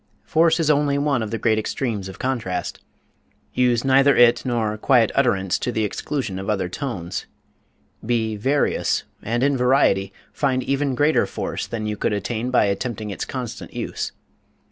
Force is only one of the great extremes of contrast use neither it nor quiet utterance to the exclusion of other tones: be various, and in variety find even greater force than you could attain by attempting its constant use.